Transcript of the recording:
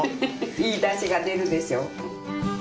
いいだしが出るでしょ。